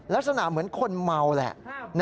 ลักษณะเหมือนคนเมาแหละ